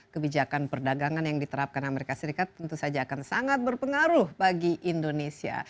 kebijakan perdagangan yang diterapkan amerika serikat tentu saja akan sangat berpengaruh bagi indonesia